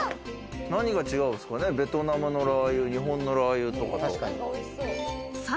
何が違うんですかね、ベトナムのラー油と日本のラー油。